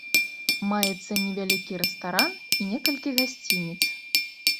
Маецца невялікі рэстаран і некалькі гасцініц.